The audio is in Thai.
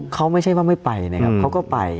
เขาไม่ใช่ว่าไม่ไปนะครับเขาก็ไป